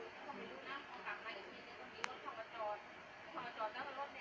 กำลังลวดรถทองกระจอด